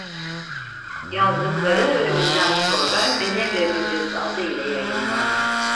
Yazdıkları ölümünden sonra "Cenevre Güncesi" adı ile yayınlandı.